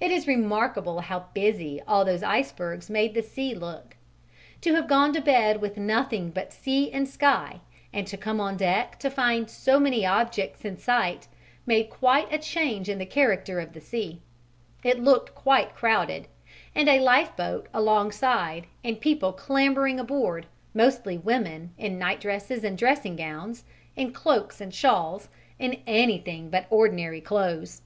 It is remarkable how "busy" all those icebergs made the sea look: to have gone to bed with nothing but sea and sky and to come on deck to find so many objects in sight made quite a change in the character of the sea: it looked quite crowded; and a lifeboat alongside and people clambering aboard, mostly women, in nightdresses and dressing gowns, in cloaks and shawls, in anything but ordinary clothes!